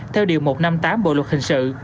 theo điều một trăm năm mươi tám bộ luật hình sự